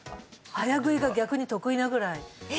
早食いが逆に得意なぐらいえ！